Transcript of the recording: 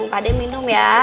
pak d minum ya